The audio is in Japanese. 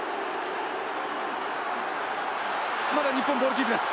まだ日本ボールキープです。